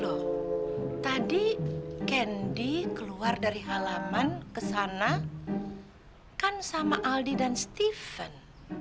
loh tadi kendi keluar dari halaman ke sana kan sama aldi dan stephen